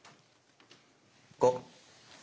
５！